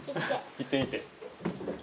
行ってみて。